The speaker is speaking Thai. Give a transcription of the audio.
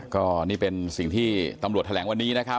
ก็นี่เป็นสิ่งที่ตำรวจแถลงวันนี้นะครับ